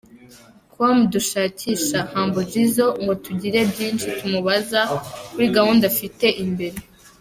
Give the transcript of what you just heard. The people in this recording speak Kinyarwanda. com dushakisha Humble Jizzo ngo tugire byinshi tumubaza kuri gahunda afite imbere.